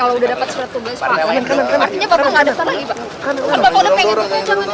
bapak udah pengen tunggu jangan terus